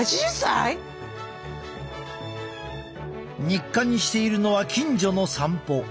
日課にしているのは近所の散歩。